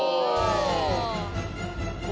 お！